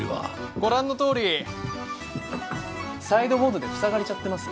ご覧のとおりサイドボードで塞がれちゃってます。